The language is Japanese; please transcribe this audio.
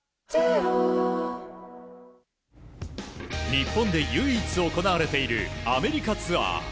日本で唯一行われているアメリカツアー。